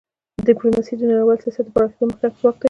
ډیپلوماسي د نړیوال سیاست د پراخېدو مخکښ ځواک دی.